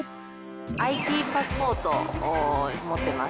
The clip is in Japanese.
ＩＴパスポートを持ってます。